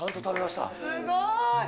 すごい。